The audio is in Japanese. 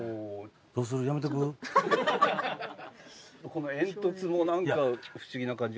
この煙突も何か不思議な感じが。